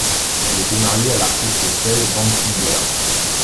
Elle était mariée à l'artiste Cees Bantzinger.